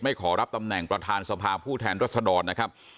ขอรับตำแหน่งประธานสภาผู้แทนรัศดรนะครับ